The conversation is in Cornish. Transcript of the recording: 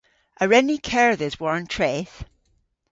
A wren ni kerdhes war an treth?